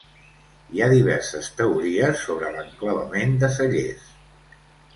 Hi ha diverses teories sobre l'enclavament de Cellers.